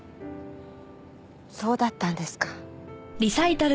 そうだったんですか。